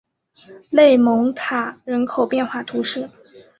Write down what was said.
勒蒙塔人口变化图示